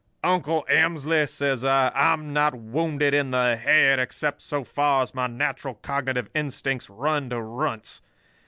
"'Uncle Emsley,' says I, 'I'm not wounded in the head except so far as my natural cognitive instincts run to runts.